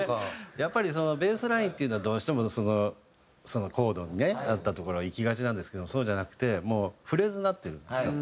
やっぱりそのベースラインっていうのはどうしてもそのコードにね合ったところいきがちなんですけどもそうじゃなくてもうフレーズになってるんですよ。